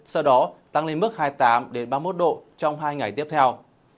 sau đó tăng lên mức hai mươi tám ba mươi một độ trong hai ngày tiếp theo